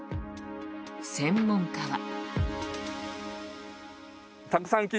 専門家は。